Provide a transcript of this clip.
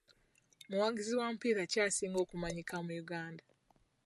Muwagizi wa mupiira ki asinga okumanyika mu Uganda?